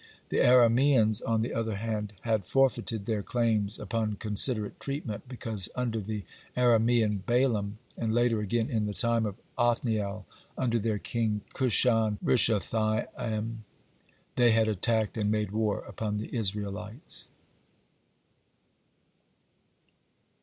The Arameans, on the other hand, had forfeited their claims upon considerate treatment, because under the "Aramean" Balaam, and later again, in the time of Othniel, under their king Cushan rishathaim, they had attacked and made war upon the Israelites.